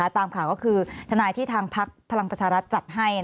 ตามข่าวก็คือทนายที่ทางพักพลังประชารัฐจัดให้